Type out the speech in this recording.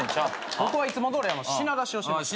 僕はいつもどおり品出しをしてました。